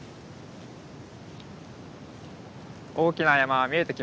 大きな山が見えてきましたね。